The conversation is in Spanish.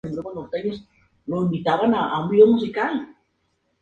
Fue periodista y director de la publicación especializada "El Teatro Nacional".